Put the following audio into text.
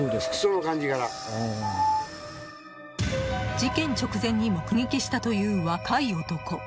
事件直前に目撃したという若い男。